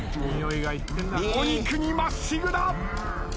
お肉にまっしぐら。